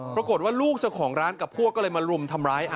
ปรากฏว่าลูกเจ้าของร้านกับพวกก็เลยมารุมทำร้าย